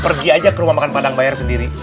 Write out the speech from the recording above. pergi aja ke rumah makan padang bayar sendiri